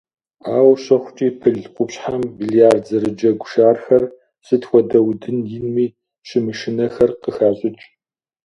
Ауэ щыхъукӀи, пыл къупщхьэм биллиард зэрыджэгу шархэр, сыт хуэдэ удын инми щымышынэхэр, къыхащӀыкӀ.